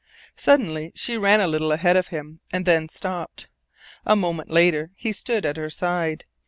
Suddenly she ran a little ahead of him, and then stopped. A moment later he stood at her side.